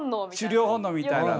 狩猟本能みたいなの。